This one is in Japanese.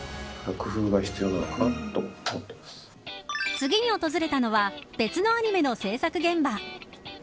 次に訪れたのは別のアニメの制作現場。